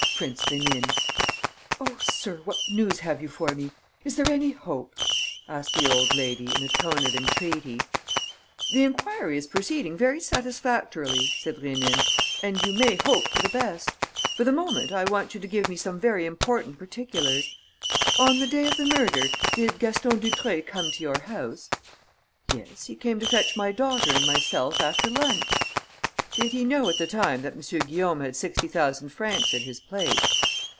"Prince Rénine." "Oh, sir, what news have you for me? Is there any hope?" asked the old lady, in a tone of entreaty. "The enquiry is proceeding very satisfactorily," said Rénine, "and you may hope for the best. For the moment, I want you to give me some very important particulars. On the day of the murder, did Gaston Dutreuil come to your house?" "Yes, he came to fetch my daughter and myself, after lunch." "Did he know at the time that M. Guillaume had sixty thousand francs at his place?"